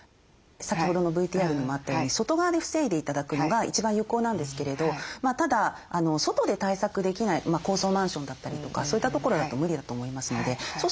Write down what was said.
先ほどのＶＴＲにもあったように外側で防いで頂くのが一番有効なんですけれどただ外で対策できない高層マンションだったりとかそういった所だと無理だと思いますのでそう